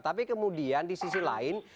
tapi kemudian di sisi lain